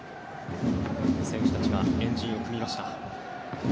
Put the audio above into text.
選手たちは円陣を組みました。